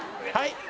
はい。